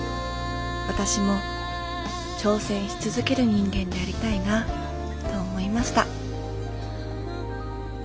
私も挑戦し続ける人間でありたいなと思いました。